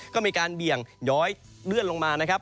ก็มีการเบี่ยงย้อยเลื่อนลงมานะครับ